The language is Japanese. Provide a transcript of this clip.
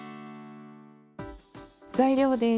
材料です。